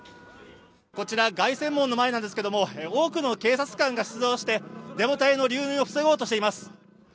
こちら凱旋門の前なんですけれども、多くの警察官が出動してデモ隊の流入を防ごうとしています。